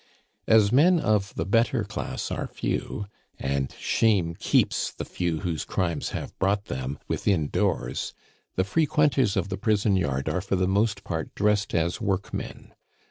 As men of the better class are few, and shame keeps the few whose crimes have brought them within doors, the frequenters of the prison yard are for the most part dressed as workmen.